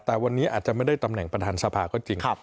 แต่วันนี้อาจจะไม่ได้ตำแหน่งประธานสภาก็จริง